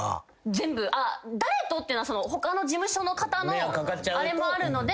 全部あっ誰とってのは他の事務所の方のあれもあるので。